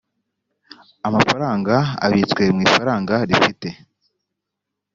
amafaranga abitswe mu ifaranga rifite